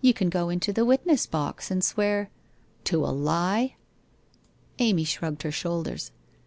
You can go into the witness box and swear ' 'To a lie?' Amy shrugged her shoulders.